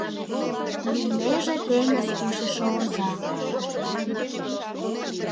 Лийнеже теҥыз кучышо оза